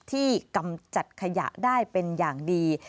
กำจัดขยะได้เป็นอย่างดี